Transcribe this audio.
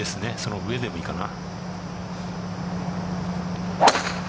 上でもいいかな。